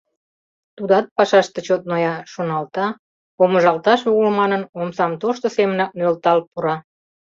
Тудат пашаште чот ноя», — шоналта, помыжалташ огыл манын, омсам тошто семынак нӧлтал пура.